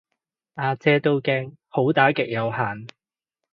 呀姐都驚好打極有限